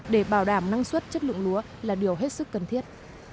để bảo đảm năng suất chất lượng lúa là điều hết sức cần thiết